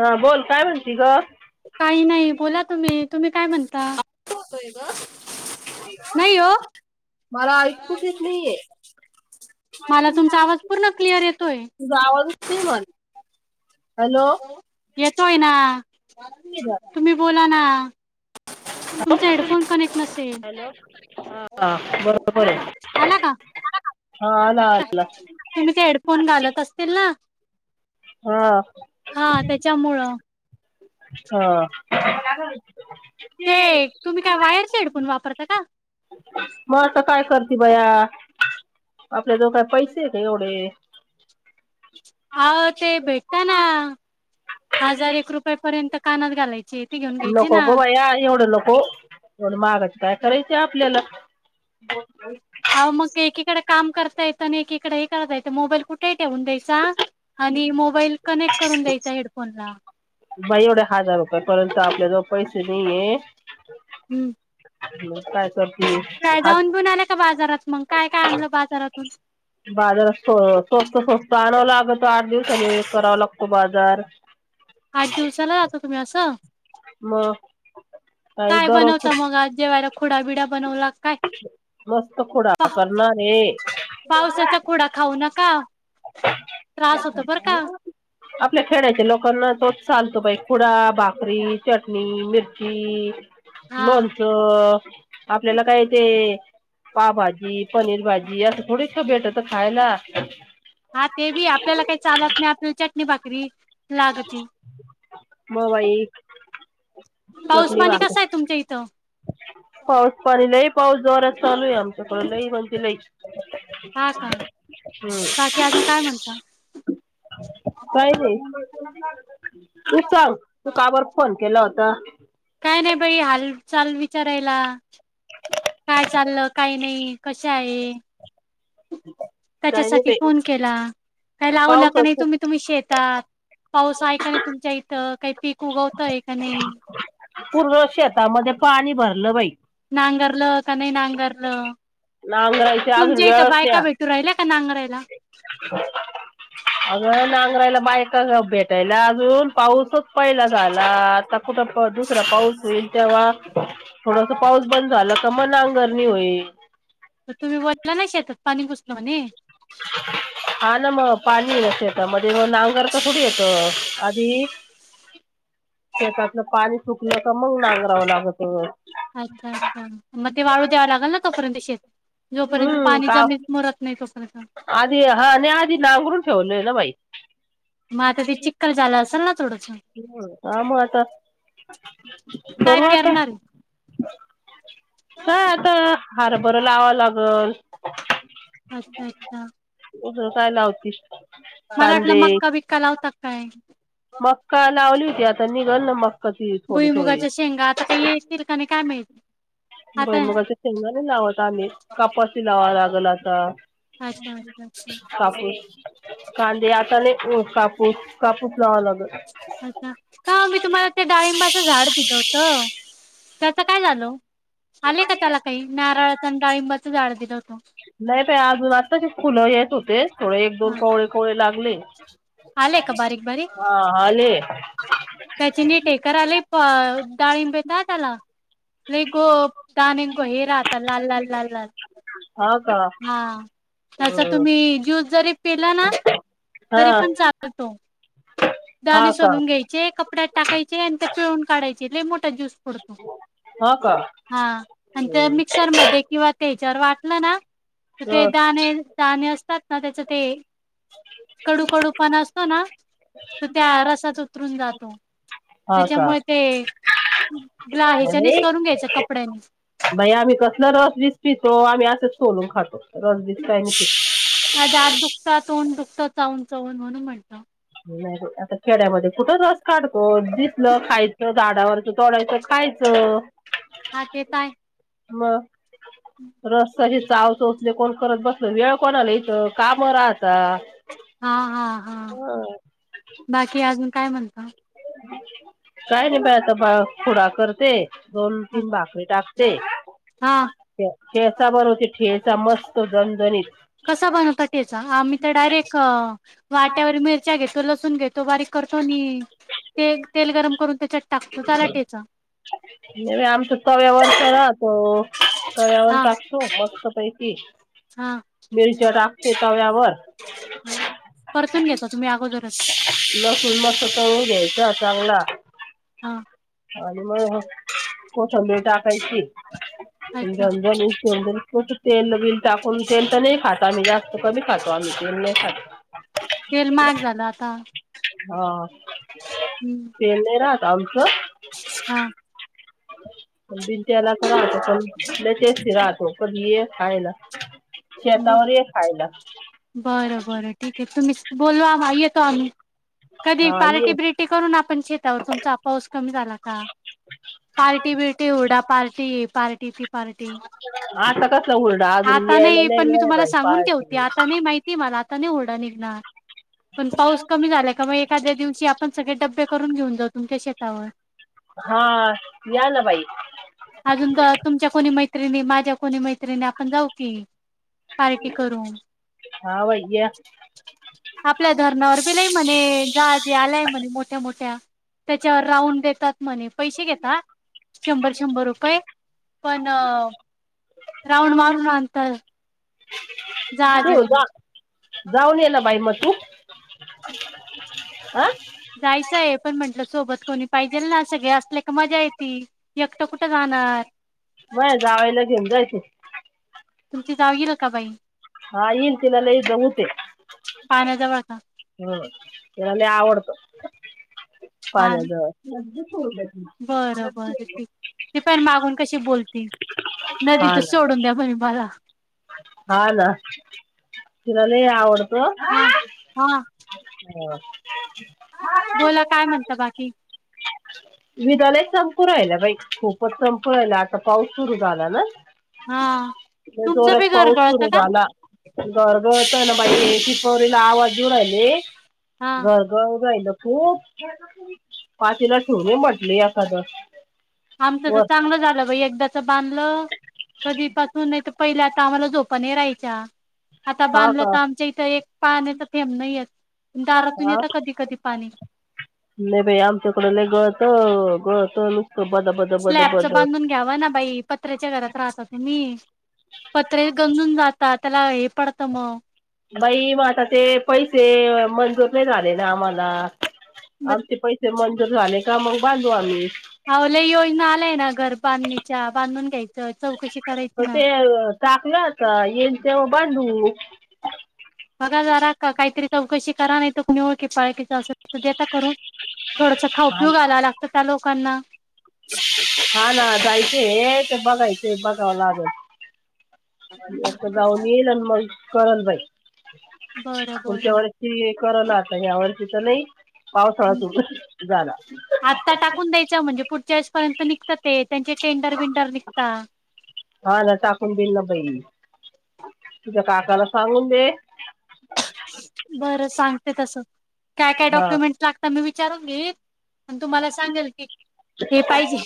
हा बोल काय म्हणती ग काही नाही बोला तुम्ही तुम्ही काय म्हणता नाही हो मला ऐकूच येत नाहीये मला तुमचा आवाज पूर्ण क्लिअर येतोय तुझा आवाजच नाही मला येतोय ना हॅलो तुम्ही बोला ना ह तुमचा हेडफोन कनेक्ट नसेल हॅलो हा बरोबर आहे आला का हा आला आला तुम्ही ते हेडफोन घालत असतील ना हा हा त्याच्यामुळं ह ते तुम्ही काय वायरचे हेडफोन वापरता का मग आता काय करते बया आपल्या दोघ पैसे का एवढे अा ते भेटता ना हजार एक रुपया पर्यंत कानात घालायच लोक बोबा या एवढं लोको मगच काय करायचं आपल्याला अ मग एकीकडे काम करता येतं आणि एकीकडे हे करता येतं मोबाईल कुठे ठेऊून द्यायचा आणि मोबाईल कनेक्ट करून द्यायचा हेडफोन ला. बा एवढे हजार रुपये परर्ंतु आपल्या जो पैसे नाहीये हम्म काय सर काय जाऊन बिन आलं का बाजारात मग काय काय आणलं बाजारातून बाजार स्वस्त स्वस्त आणावं लागतो आठ दिवसनी करावा लागतो बाजार आठ दिवसाला जहातो तुम्ही असं मग काही काय बनवत दररोज मग आज जेव्हायला खुडा बिडा बनवू लागत मस्त खुड करणारे पावसाचा खुडा खाऊ नका त्रास होतो बर का आपल्या खेडच्या लोकांना तोच चाल तोपई खुडा बाकरी चटणी मिरची हा लोणचं. आपल्याला काय. पावभाजी पनीर भाजी असं थोडीस भेटत खायला. हा ते बी आपल्याला काही चालत नाही आपल्या चटणी भाकरी लागती मग बाई पाऊस चटणी पाणी कसं भाकर आहे तुमच्या इथं पाऊस पाणी लई पाऊस जोरात चालू आहे आमच्याकडे लई म्हणजे लईच हा का हम्म बाकी अजून काय म्हणता काही नाही तू सांग तू का बर फोन केला होता हाल चाल विचारायला काय चाललं काय नाही कशे आहे काही नाही त्याच्यासाठी बाई फोन केला काही लावला का नाही पाऊसच तुम्ही तुम्ही शेतात पाऊस आहे का नाही तुमच्या इथं काही पीक उगवतंय का नाही पूर्ण शेतामध्ये पाणी भरलं बाई नांगरलं का नाही नांगरलं नांगरायची अजून तुमच्या इथं वेळच बायका द्या भेटू राहिल्या नांगरायला करायला बायका भेटायला अजून पाऊसच पहिला झाला आता कुठ दुसरा पाऊस आहे तेव्हा थोडस पाऊस बंद झाला का मना नांगरणी होईल तर तुम्ही बोलला ना शेतात पाणी घुसलणे हा ना मग पाणी ना शेतामध्येध्ये म नांगर ता थोडी येत आणि [inaudible] शेतातलं पाणी सुकलं तर मग नांगरावं लागत. अच्छा अच्छा मग ते वाळू द्यावा लागेल ना तोपर्यंत शेती. जोपर्यंत हम्म पाणी का जमीत मुरत नाही तोपर्यंत. आधी हा नाही आधी [inaudible] ते चिक्कल झालं ह असेल ना थोडस का मग आता. काय करू आता पेरणार. काय आता हारभरा लावावा लागल. अच्छा अच्छा. दुसरं काय लावतीस. मला वाटलं कांदे मक्का भिका लावता की काय. मक्का लावली होती आता निघल ना मक्का. ती थोडी थोडी भुईमुगाच्या शेंगा आता काही येतील का नाही काय माहित. भोई मुगाच शेंगदाने लावई कापसी लावा लागल आता. अच्छा अच्छा अच्छा काफी कांदे आताने. हो कापूस कापूस लाव लागल. अच्छ का मी तुम्हाला त्या डाळिंबाच झाड दिलं होत. हो त्याच काय झाल आले का त्याला काही नारळाचा डाळीबाच झाड दिलं होतो. नाही प अजून आत्ताचे फुलं येत होते थोडे एक दोन हा कोवळे कोवळे लागले. आलेय का बारीक बारीक. हा आले त्याची न टेकर आले डाळिंबीेत त्याला. लई को दाणे राहतात लाल लाल ललल. हा का हा त्या हम्म तुम्ही ज्यूस जरी पिलाना हा तरी. पण चालतो हा दाणे का सोलून घ्यायचे कपड्यात टाकायचे आणि ते पिळून काढायचे. लय मोठा ज्यूस पडतो हा का हा हम्म मिक्सरमध्ये किंवा ते जर वाटलं ना तर ते दाणे दाणे असतात ना त्याच ते. कडू त कडूपणा असतो ना तर त्या रसाात उतरून जातो. हा का त्याच्यामुळे ते ग्ला ह्याच्यानेच करून घ्यायचं कपड्यानी बाई आम्ही कसला रस बिस पितो आम्ही अस. सोलून खातो रस बीस काय का तोंड दुखतं चावून चवून म्हणून म्हटलं नाहीे आता खेड्यामध्ये कुठं रस काढतो. हो दिसलं खायचं झाडावरच तोडायचं खायचं. हा तेे तर आहे. मग रस्त्याची चाव चोचले कोण करत बसल वेळ कोण इथं काम राहतात. हा हा हा बाकी अजून काय म्हणता काय नाही बाय आता बा खुडा करते. दोन हा तीन भाकरी टाकते हा ठेचा बनवती ठेचा. ठेचा मस्त झणझणीत. कसा बनवता ठेचा आम्ही तर डायरेक्ट वाट्यावर मिरच्या घेतो लसुन लसून घेतो बारीक करतो आणि ते तेल गरम करून त्याच्यात टाकतो झाला ठेचा. आमच्या तव्यावर करा तो तव्यावर हा टाकतो मस्तपैकी हा मिरच्या टाकते तव्यावर परतून घेता तुम्ही अगोदरच लसूण मस्त तळून घ्यायचा चांगला हा आणि मग कोथिं [unintelligible] कोथिंबीर टाकायची आणि अच्छा झणझणीत टाकून तेलत नाही खात मी जास्त कमी खातो आम्ही तेल नाही तेल महाग खात झालं आता हा हम्म तेल नाही राहता आमचं हा भिंन तेलाचं राहत पण लय टेस्टी राहतो कधी ये खायला. हो शेतावर ये खायला बरं बरं ठीक आहे तुम्ही बोलवा आम्हला येतो आम्ही कधी हा पार्टी ये बिरटी करून आपण शेतावर तुमचा पाऊस कमी झाला पार्टी बिरटी हुरडा पार्टी पार्टी ही पार्टी ती पार्टी. आता कसलं हुरडा. अजून आता यायला नाही पण मी वेळ आहे तुम्हाला बाई सांगून ठेवते पाहायची आता नाही माहिती मला आता नाही हुरडा कमी झाला का एखाद्या दिवशी आपण पण सगळे डबे करून घेऊन जाऊ तुमच्या शेतावर. हा या ना बाई. अजून तर तुमच्या कोणी मैत्रिणी माझ्या कोणी मैत्रिणी आपण जाऊ की. पार्टी करू हा बाई या. आपल्या धरणावर बि लई म्हणे जाहाजे आल्याय म्हणे मोठ्या मोठ्या त्याच्यावर राऊंड देतात म्हणे पैसे घेता शंभर शंभर रुपये पण राऊंड मारून आणता तू जहाजीवर जा जाऊन ये ना बाई मग तू आं जायचं आहे पण म्हंटलं सोबत कोणी पाहिजेल ना सगळे असल कि मजा येते एकटं कुठं जाणार. तुझ्या जावेला घेऊन जाय तुमची जाऊ येईल का बाई? हा तिला लय उत आहे. पाण्याजवळ का हम् तिला लई आवडतं. हा ना. पाण्याजवळ बरं बरं ठीक ती पण मागून कशी बोलती नदी हा तर ना सोडून द्या म्हणे मला. हा ना लय आवडतं. हा. हा हो बोला काय म्हणता बाकी वीज लई चमकू राहिल्या बाई खूपच चमकू राहिल्या आता पाऊस सुरू झाला ना. हा तुम [unintelligible] परत पाऊस सुरू झाला घर गळतना बाई [unintelligible] तिला आवाज देऊ राहिले हा घर गळू राहिलं खूप पातीला ठेवणे म्हटले एखद आमचं चांगलं झालं बाई एकदाच बांधलं कधीपासून नाही तर पहिल्याच आम्हाला झोप नाही राहायच्या आता हा बांधलं तर का आमच्या इथं एक पाण्याच थेबणय दारातून येतता कधी कधी पाणी न भई आमच्याकड गळतो गळत लक स्लॅबच बांधून घ्यावा ना बाई पत्र्याच्या घरात राहता तुम्ही पत्रे गंजून जातात त्याला हे पडतं मग बाई म आता ते पैसे मंजूर नाही झाले ना आम्हाला आमचे पैसे मंजूर झाले का मग बांधू आम्ही हवलं योजना आलाय ना घर बांधणीच्या बांधून घ्यायच म ते टाकलं होत आता येन तेवा बांधू बघा जरा का काहीतरी चौकशी करा नाही त कोणी ओळखी पाळखीचा अस त देता करून थोडस खा उपयोग आला लागत त्या लोकांना हा ना जायच हे ते बघायचं बघावं लाग जाऊन येईल आणि मग कल बाई बरं पुढच्या बरं. वर्षी करल आता ह्या वर्षी तर नाही पावसाळा सुरू झाला आता टाकून द्यायच म्हणजे पुढच्या वेळेस पर्यंत निघत ते त्यांचे टेंडर बंडर निघता हा ना टाकून देईल ना बाई तुझ्या काकाला सांगून दे बरं सांगते तसं काय काय हा डॉक्युमेंट लागत मी विचारून घे पण तुम्हाला सांगेल की हे पाहिजे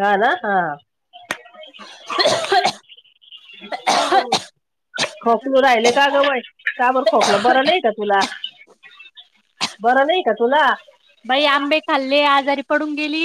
हा ना हा ह खोकलू राहिले का ग का बर खोकलं बरं नाही का तुला बरं नाही का तुला बाई आंबे खाल्ले आजारी पडून गेली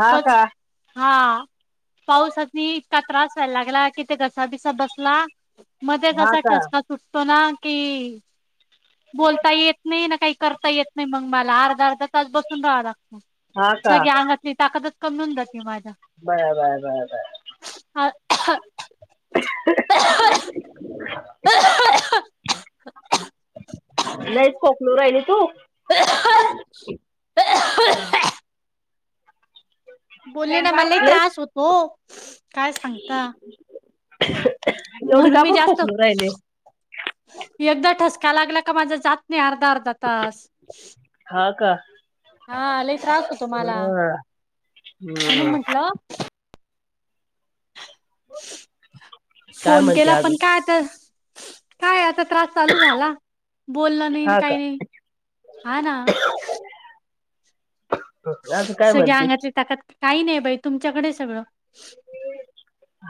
हा बस का हा पाऊसली त्रास व्हायला लागला कि ते घसाबिसा बसला मध्ये हा जसा का टचका सुट की बोलता येत नाही ना काही करता येत नाही मग मला अर् अर्धा तास बसून राहावं हा लागत का सगळ अंगातली ताकदच कमी होऊन जाते माझ्या ह लयच खोकलू राहिली तू बोलले ना मलाही लयच त्रास होतो काय सांगता ह म्हणून मी जास्त एकदा ठसका लागला का माझ जात नाही अर्ध अर्धा तास हा का हा लय त्रास होतो मला बरं. म्हनुन हम्म. म्हंटलं काय फोन म्हणते केला अजून पण काय आता काय आता त्रास चालू झाला बोल नाही हा का काही नाही हा ना अजून काय सगळ्या म्हणते अंगातली ताकात काही नाही बाई तुमच्याकडे सगळं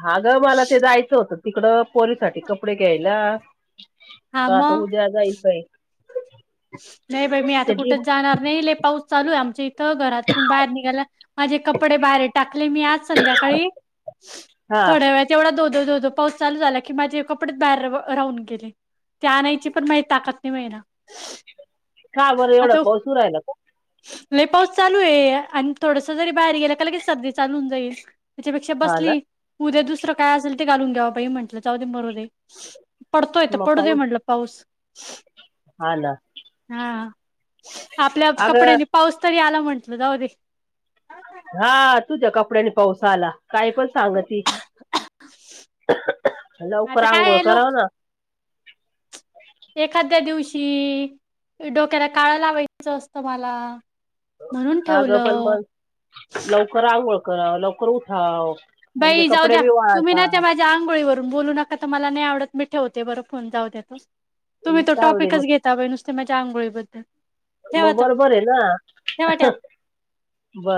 हा ग मला ते जायचं होतं तिकड पोरीसाठीठी कपडे घ्यायला हा क आता मग उद्या जायचंय नाही बा मी आता ते डी- कुठेच जाणार नाही लय पाऊस चालू आहे आमच्या इ तर घरातून बाहेर निघाला माझे कपडे बाहेर टाकले मी आज संध्याकाळी हा थोड्या वेळात एवढा धो धो धो पाऊस चालू झाला की माझे कपडेच बाहेर राहून गेले ते आणायची पण माझ ताकद नाही माहि ना हा बरं एवढा पाऊस उ राहिला का लई पाऊस चालू आहे आणि थोडस जरी बाहेर गेलं का लगे सध चालून जाईल त्याच्यापेक्षा हा ना बसली उद्या दुसरं काय असेल ते घालून घ्यावा पाहि म्हंटलं जाऊ दे मरू दे पडतोय तर मग पडू दे पाऊस म्हटलं पाऊस हा ना हा आपल्या अगं कपड्यांनी पाऊस तरी आला म्हंटल जाऊ दे हा तुझ्या कपड्यानी पावसाला काय पण सांग त लवकर आता काय अंघोळ आहे कराव लोक ना कि डोक्याला काळं लावायचं असतं मला म्हणून हा ग पण ठेवलं. मग लवकर अंघोळ ळ करावं लवकर उठाव म्हणजे बाई जाऊ कपडे द्या बी तुम्ही न त्या वाळतात माझ्या आंगोळीवर न मला आ तुमहीच जाऊ दे मग त्याच्या्या आंघोळी बद्दल मग बरोबर आहे ना ठेवा.